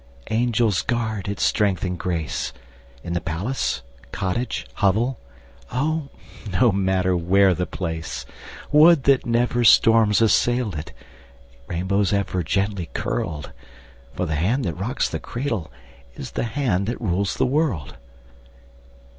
Angels guard its strength and grace, In the palace, cottage, hovel, Oh, no matter where the place; Would that never storms assailed it, Rainbows ever gently curled; For the hand that rocks the cradle Is the hand that rules the world.